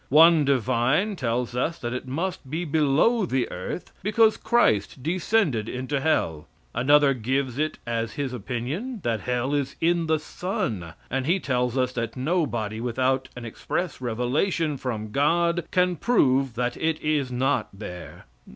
One divine tells us that it must be below the earth because Christ descended into hell. Another gives it as his opinion that hell is in the sun, and he tells us that nobody, without an express revelation from God, can prove that it is not there.